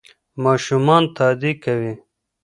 ماشومان تادي کوي.